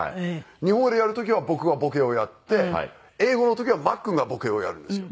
日本語でやる時は僕がボケをやって英語の時はマックンがボケをやるんですよ。